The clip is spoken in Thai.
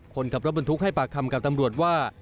คนขับรถบรรทุกให้ปากคำกับตำรวจว่า